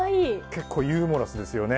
結構ユーモラスですよね。